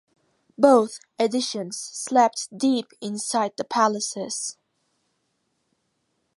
Both editions slept deep inside the palaces.